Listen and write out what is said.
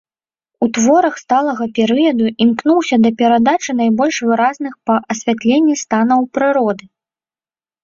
У творах сталага перыяду імкнуўся да перадачы найбольш выразных па асвятленні станаў прыроды.